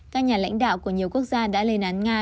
các nhà lãnh đạo của nhiều quốc gia đã lên án nga